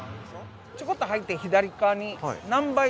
ちょこっと入って左側にナンバ